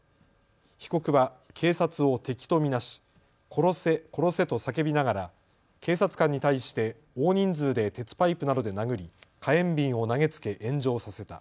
被告は警察を敵と見なし殺せ、殺せと叫びながら警察官に対して大人数で鉄パイプなどで殴り、火炎瓶を投げつけ炎上させた。